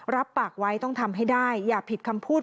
รับปากไว้ต้องทำให้ได้อย่าผิดคำพูด